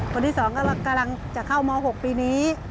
คนที่๒กำลังจะเข้าม๖ปีนี้